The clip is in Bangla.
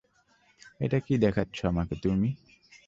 এটা কী দেখাচ্ছ আমাকে তুমি?